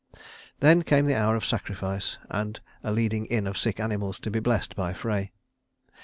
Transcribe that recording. Then came the hour of sacrifice and a leading in of sick animals to be blessed by Frey.